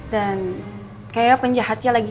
dan kayaknya penjahatnya lagi